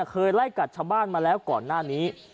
เคยไล่กัดชาวบ้านมาแล้วก่อนหน้านี้